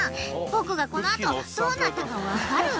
僕がこの後どうなったか分かる？］